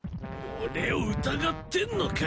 俺を疑ってんのか？